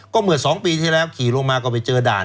ก็เมื่อ๒ปีที่แล้วขี่ลงมาก็ไปเจอด่าน